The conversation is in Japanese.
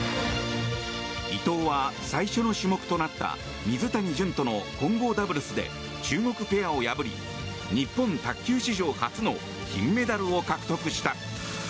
伊藤は最初の種目となった水谷隼との混合ダブルスで中国ペアを破り日本卓球史上初の金メダルを獲得した。